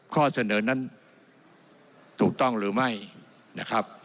ข้อเสนอนั้นถูกต้องหรือไม่นะครับ